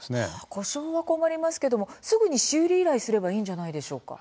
故障は困りますがすぐに修理依頼すればいいんじゃないでしょうか。